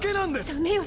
ダメよ